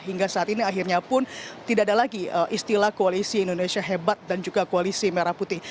hingga saat ini akhirnya pun tidak ada lagi istilah koalisi indonesia hebat dan juga koalisi merah putih